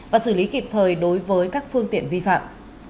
và xử lý kịp thời đối với các phương tiện vi phạm